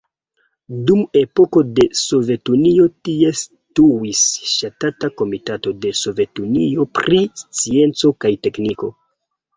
Dum epoko de Sovetunio tie situis Ŝtata komitato de Sovetunio pri scienco kaj tekniko.